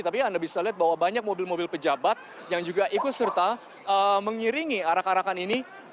tapi anda bisa lihat bahwa banyak mobil mobil pejabat yang juga ikut serta mengiringi arak arakan ini